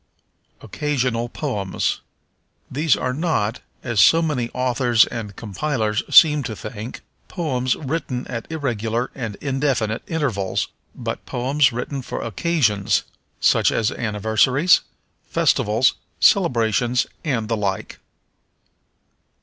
Occasional Poems. These are not, as so many authors and compilers seem to think, poems written at irregular and indefinite intervals, but poems written for occasions, such as anniversaries, festivals, celebrations and the like.